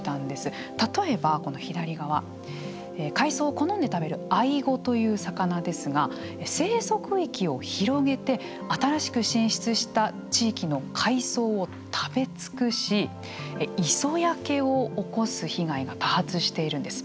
例えばこの左側海藻を好んで食べるアイゴという魚ですが生息域を広げて新しく進出した地域の海藻を食べ尽くし磯焼けを起こす被害が多発しているんです。